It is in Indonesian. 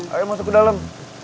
ayo masuk ke dalam